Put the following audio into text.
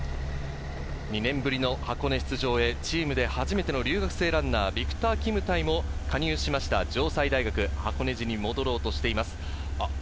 ２年ぶりの箱根出場へチームで初めての留学生ランナー、ヴィクター・キムタイも加入しました城西大学、箱根路に戻ろうとしています。